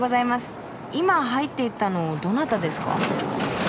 今入っていったのどなたですか？